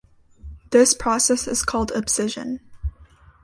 This process is called abscission.